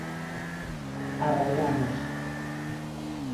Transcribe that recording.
Arraianos.